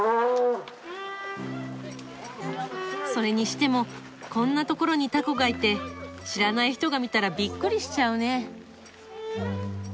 それにしてもこんなところにタコがいて知らない人が見たらびっくりしちゃうね。